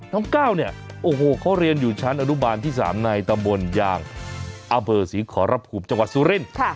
ก้าวเนี่ยโอ้โหเขาเรียนอยู่ชั้นอนุบาลที่๓ในตำบลยางอำเภอศรีขอรภูมิจังหวัดสุรินทร์